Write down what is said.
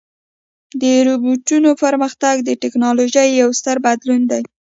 د روبوټونو پرمختګ د ټکنالوژۍ یو ستر بدلون دی.